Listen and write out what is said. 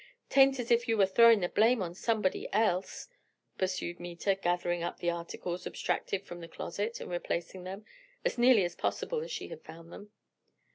'Taint as if you were throwing the blame on somebody else," pursued Meta, gathering up the articles abstracted from the closet and replacing them, as nearly as possible as she had found them.